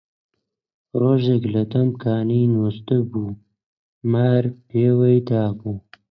ڕۆژێک لە دەم کانی نوستبوو، مار پێوەی دابوو